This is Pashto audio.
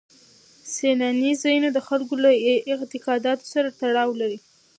سیلاني ځایونه د خلکو له اعتقاداتو سره تړاو لري.